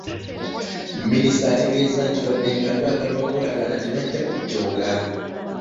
Minisita ategeezezza nti wadde nga twagala enkolagana tebajja kutujooga.